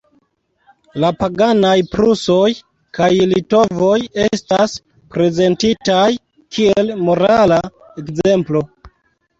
La paganaj prusoj kaj litovoj estas prezentitaj kiel morala ekzemplo.